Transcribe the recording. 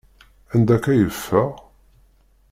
Anda akka i yeffeɣ?